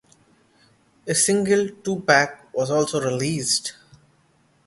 A single two-pack was also released.